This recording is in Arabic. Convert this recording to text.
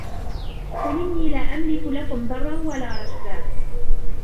قل إني لا أملك لكم ضرا ولا رشدا